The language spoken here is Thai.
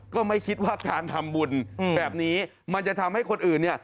ก็ไม่คิดว่าการทำบุญแบบนี้มันจะทำให้คนอื่นเนี่ย